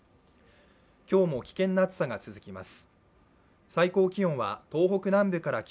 今日も危険な暑さが続きます。